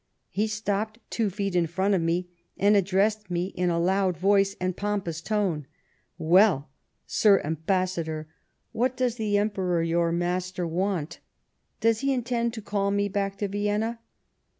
He stopped two feet in front of me and addressed me in a loud voice and pompous tone :' Well, Sir Ambassador, what does the Emperor, your master, want — does he intend to call me back to Vienna